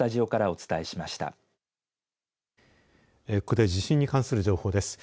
ここで地震に関する情報です。